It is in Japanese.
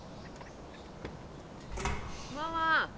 ママ！